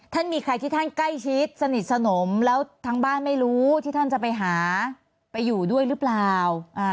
มีใครที่ท่านใกล้ชิดสนิทสนมแล้วทั้งบ้านไม่รู้ที่ท่านจะไปหาไปอยู่ด้วยหรือเปล่า